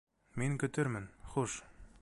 — Мин көтөрмөн, хуш!..